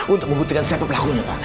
untuk membuktikan siapa pelakunya pak